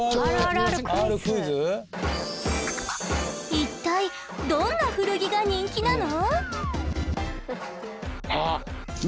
一体どんな古着が人気なの？